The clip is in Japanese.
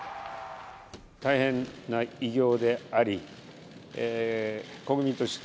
大変な偉業でありえー国民として